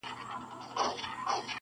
خو تېروتنې بيا تکراريږي ډېر,